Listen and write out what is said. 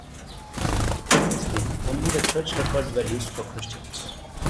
Previously, only the church records were used for Christians.